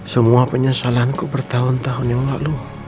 semua penyesalanku bertahun tahun yang lalu